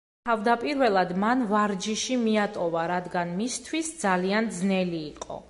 თავდაპირველად მან ვარჯიში მიატოვა, რადგან მისთვის ძალიან ძნელი იყო.